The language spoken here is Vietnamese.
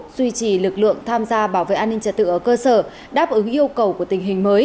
duy trì lực lượng tham gia bảo vệ an ninh trả tự ở cơ sở đáp ứng yêu cầu của tỉnh